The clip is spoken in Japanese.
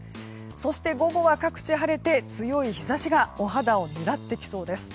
そして、午後は各地晴れて強い日差しがお肌を狙ってきそうです。